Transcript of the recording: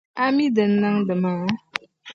A mi din niŋdi maa?